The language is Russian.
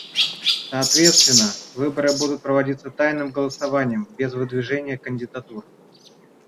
Соответственно, выборы будут проводиться тайным голосованием без выдвижения кандидатур.